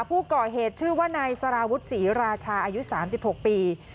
ผู้ก่อเหตุชื่อว่านายสารวุฒิศรีราชาอายุ๓๖ปี